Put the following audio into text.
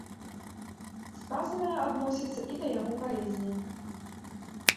Сказанае адносіцца і да яго паэзіі.